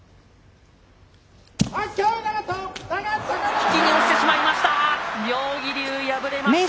引きに寄せてしまいました。